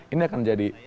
ini akan jadi